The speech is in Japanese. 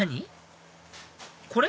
これ！